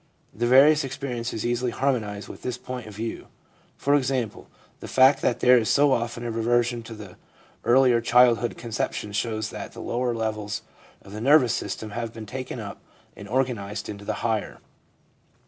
The various ex periences easily harmonise with this point of view. For example, the fact that there is so often a reversion to the earlier childhood conceptions shows that the lower levels of the nervous system have been taken up and organised into the higher.